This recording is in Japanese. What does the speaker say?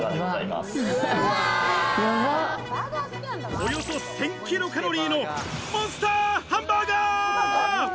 およそ１０００ｋｃａｌのモンスターハンバーガー！